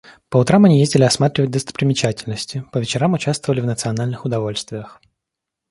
По утрам они ездили осматривать достопримечательности, по вечерам участвовали в национальных удовольствиях.